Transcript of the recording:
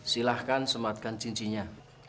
silahkan sematkan cincinya